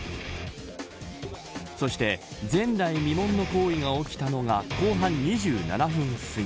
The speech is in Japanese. そして前代未聞の行為が起きたのが後半２７分すぎ。